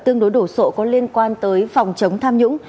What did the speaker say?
tương đối đổ sộ có liên quan tới phòng chống tham nhũng